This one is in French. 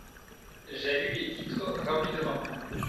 J'ai lu les titres rapidement.